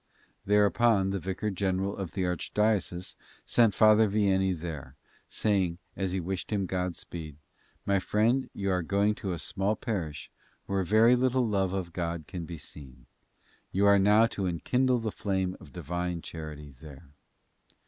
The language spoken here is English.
Thereupon, the vicar general of the archdiocese sent Father Vianney there, saying, as he wished him Godspeed: "My friend, you are going to a small parish where very little of the love of God can be seen. You are now to enkindle the flame of Divine charity there!"